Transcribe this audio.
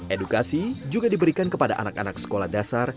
edukasi juga diberikan kepada anak anak sekolah dasar